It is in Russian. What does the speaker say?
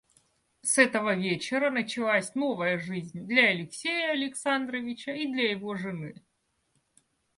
С этого вечера началась новая жизнь для Алексея Александровича и для его жены.